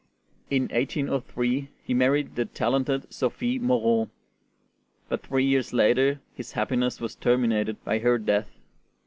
In 1803 he married the talented Sophie Mareau, but three years later his happiness was terminated by her death.